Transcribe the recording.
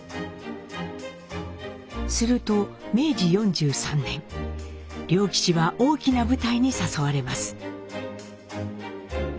すると明治４３年良吉は大きな舞台に誘われます。